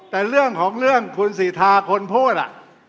แต่เรื่องของเรื่องคุณสีทาคนพูดอ่ะ